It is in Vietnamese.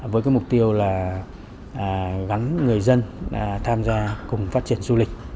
với cái mục tiêu là gắn người dân tham gia cùng phát triển du lịch